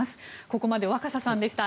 ここまで若狭さんでした。